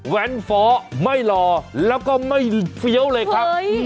แว้นฟ้อไม่รอแล้วก็ไม่เฟี้ยวเลยครับ